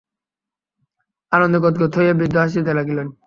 আনন্দে গদগদ হইয়া বৃদ্ধ হাসিতে লাগিলেন।